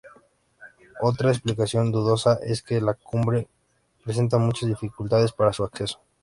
Otra explicación, dudosa, es que la cumbre presenta muchas dificultades para su acceso.